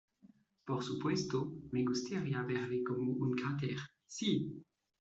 Por supuesto, me gustaría verle como un cráter. ¡ sí!